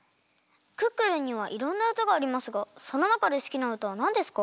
「クックルン」にはいろんなうたがありますがそのなかですきなうたはなんですか？